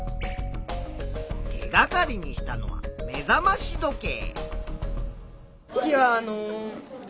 手がかりにしたのは目覚まし時計。